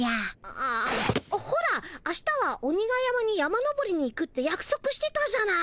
あほらあしたは鬼が山に山登りに行くってやくそくしてたじゃない？